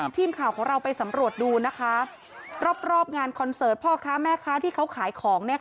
ทีมข่าวของเราไปสำรวจดูนะคะรอบงานคอนเสิร์ตพ่อค้าแม่ค้าที่เขาขายของ